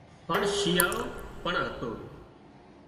هانَ شيئاۯو پڻ هتو